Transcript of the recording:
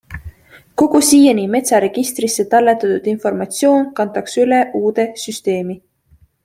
Kogu siiani metsaregistrisse talletatud informatsioon kantakse üle uude süsteemi.